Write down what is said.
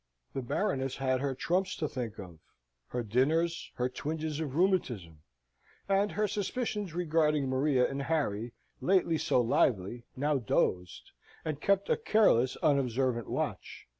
The Baroness had her trumps to think of, her dinners, her twinges of rheumatism: and her suspicions regarding Maria and Harry, lately so lively, now dozed, and kept a careless, unobservant watch.